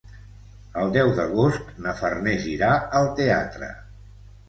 El deu d'agost na Farners irà al teatre.